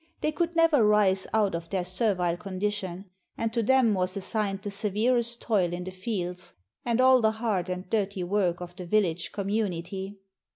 They could never rise out of their servile condition; and to them was assigned the severest toil in the fields, and all the hard and dirty work of the village community.